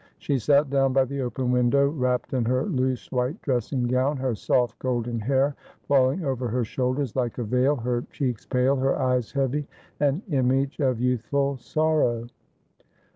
She sat down by the open window, wrapped in her loose white dressing gown, her soft golden hair falling over her shoul ders like a veil, her cheeks pale, her eyes heavy, an image of youthful sorrow.